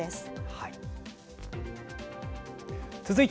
はい。